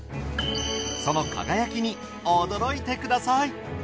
その輝きに驚いてください。